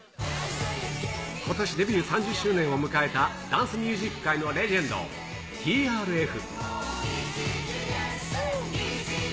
ことしデビュー３０周年を迎えたダンスミュージック界のレジェンド、ＴＲＦ。